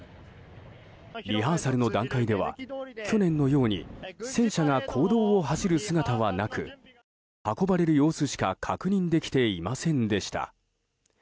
リハーサルの段階では去年のように戦車が公道を走る姿はなく運ばれる様子しか確認できていませんでした。